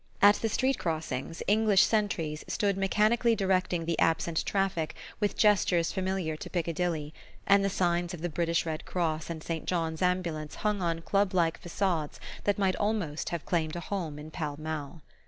At the street crossings English sentries stood mechanically directing the absent traffic with gestures familiar to Piccadilly; and the signs of the British Red Cross and St. John's Ambulance hung on club like facades that might almost have claimed a home in Pall Mall.